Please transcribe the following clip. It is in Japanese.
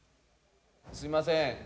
すみません